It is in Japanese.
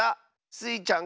スイちゃん